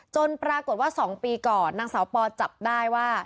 ปรากฏว่า๒ปีก่อนนางสาวปอจับได้ว่า